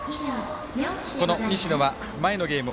この西野は前のゲーム